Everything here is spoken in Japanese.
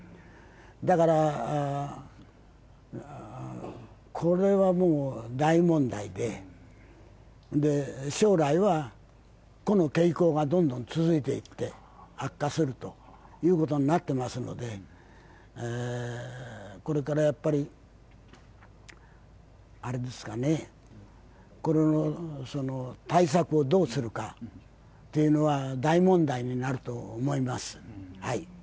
だからこれはもう、大問題で、将来はこの傾向がどんどんと続いていって悪化するということになっていますので、これから対策をどうするかというのは大問題になると思います。